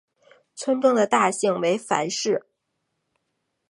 村中的大姓为樊氏。